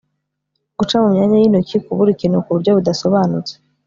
guca mu myanya y'intoki kubura ikintu ku buryo budasobanutse